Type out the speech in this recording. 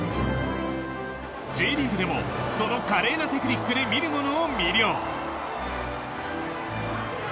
Ｊリーグでもその華麗なテクニックで見る者を魅了。